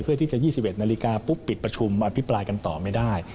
เพื่อที่จะ๒๑นาฬิกาปุ๊บปิดประชุมอภิปรายกันต่อไม่ได้